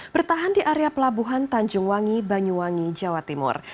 bertahan di area pelabuhan tanjung wangi banyuwangi jawa timur